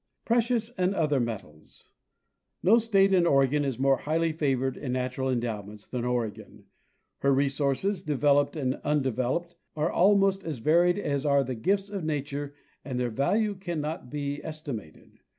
The Precious and other Metals. No state in the Union is more highly favored in natural en dowments than Oregon. Her resources, developed and unde veloped, are almost as varied as are the gifts of nature, and their value cannot be estimated.